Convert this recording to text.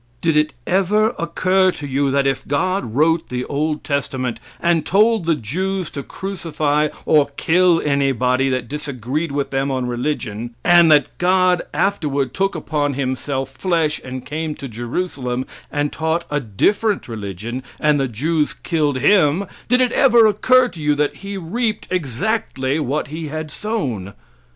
Did it ever occur to you that if God wrote the old testament, and told the Jews to crucify or kill anybody that disagreed with them on religion, and that God afterward took upon Himself flesh and came to Jerusalem, and taught a different religion, and the Jews killed Him did it ever occur to you that He reaped exactly what he had sown?